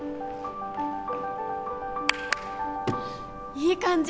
いい感じ。